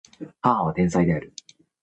母は天才である